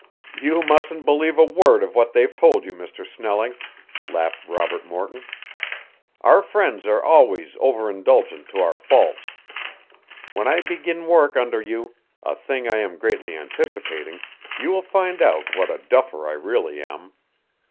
"You mustn't believe a word of what they've told you, Mr. Snelling," laughed Robert Morton. "Our friends are always over indulgent to our faults. When I begin work under you, a thing I am greatly anticipating, you will find out what a duffer I really am."